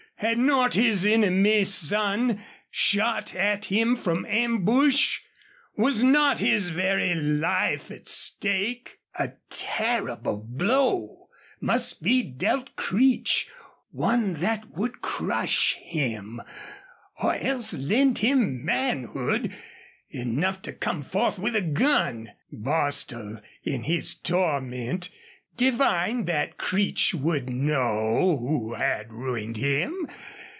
Had not his enemy's son shot at him from ambush? Was not his very life at stake? A terrible blow must be dealt Creech, one that would crush him or else lend him manhood enough to come forth with a gun. Bostil, in his torment, divined that Creech would know who had ruined him.